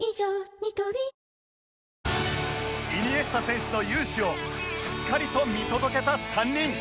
ニトリイニエスタ選手の勇姿をしっかりと見届けた３人